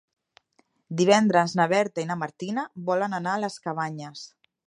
Divendres na Berta i na Martina volen anar a les Cabanyes.